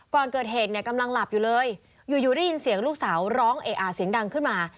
ก่อนเกิดเหตุเนี่ยกำลังหลับอยู่เลยอยู่อยู่ได้ยินเสียงลูกสาวร้องเออเสียงดังขึ้นมา